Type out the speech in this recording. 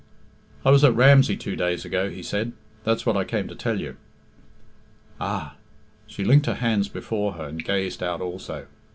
"I was at Ramsey two days ago," he said; "that's what I came to tell you." "Ah!" She linked her hands before her, and gazed out also.